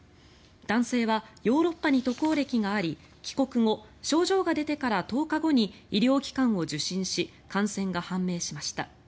男性はヨーロッパに渡航歴があり帰国後症状が出てから１０日後に医療機関を受診し感染が判明しました。